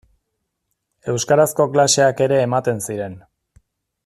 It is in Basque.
Euskarazko klaseak ere ematen ziren.